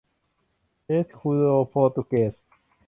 เอสคูโดโปรตุเกส